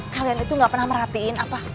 kalian itu gak pernah merhatiin apa